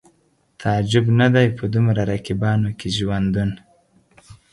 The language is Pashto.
تعجب نه دی په دومره رقیبانو کې ژوندون